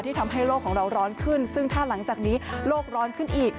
ทำให้โลกของเราร้อนขึ้นซึ่งถ้าหลังจากนี้โลกร้อนขึ้นอีก